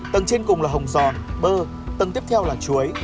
tầng trên cùng là hồng giòn bơ tầng tiếp theo là chuối